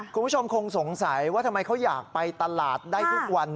คุณผู้ชมคงสงสัยว่าทำไมเขาอยากไปตลาดได้ทุกวัน